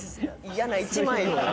嫌な１枚。